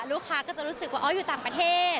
ลูกค้าก็จะรู้สึกว่าอ๋ออยู่ต่างประเทศ